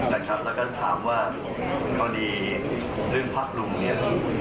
แล้วก็ถามว่าเรื่องภักด์ลุงเนี่ย